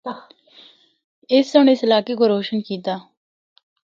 اس سنڑ اس علاقے کو روشن کیتا۔